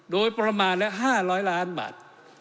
โดยประมาณละ๕๐๐ล้านบาท